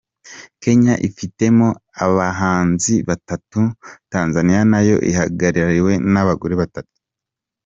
Kenya ifitemo abahanzi batatu, Tanzania nayo ihagarariwe n’abagore batatu.